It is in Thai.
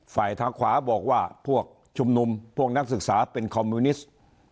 ทางขวาบอกว่าพวกชุมนุมพวกนักศึกษาเป็นคอมมิวนิสต์